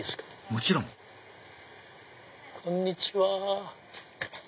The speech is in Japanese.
もちろんこんにちは。